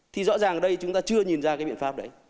thì rõ ràng ở đây chúng ta chưa nhìn ra cái biện pháp đấy